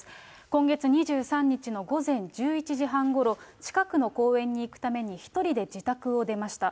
今月２３日の午前１１時半ごろ、近くの公園に行くために１人で自宅を出ました。